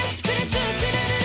スクるるる！」